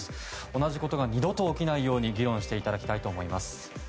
同じことが二度と起きないように議論していただきたいと思います。